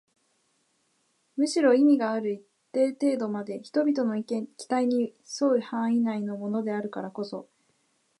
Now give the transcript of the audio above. むしろ意味がある一定程度まで人々の期待に添う範囲内のものであるからこそ